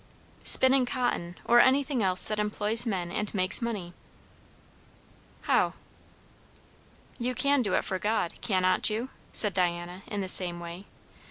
"Spinning cotton, or anything else that employs men and makes money." "How?" "You can do it for God, cannot you?" said Diana in the same way.